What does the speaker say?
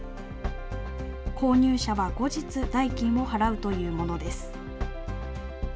購入者は後日、代金を払うというものです。